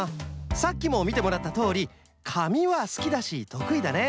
さっきもみてもらったとおりかみはすきだしとくいだね。